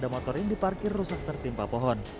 motor ini diparkir rusak tertimpa pohon